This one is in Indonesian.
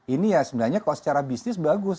ini ya sebenarnya kalau secara bisnis bagus